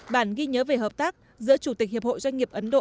bản ghi nhớ về hợp tác giữa chủ tịch hiệp hội doanh nghiệp ấn độ